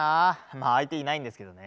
まあ相手いないんですけどね。